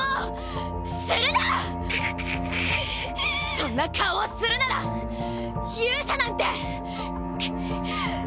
そんな顔をするなら勇者なんてくっ！